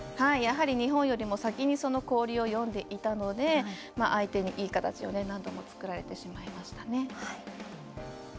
日本より先に氷を読んでいたので相手にいい形を難度も作られてしまいましたね。